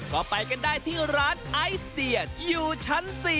ก็ไปกันได้ที่ร้านไอศเดียอยู่ชั้น๔